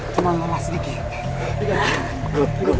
cuman lemas sedikit